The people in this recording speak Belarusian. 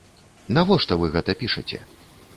Навошта вы гэта пішаце?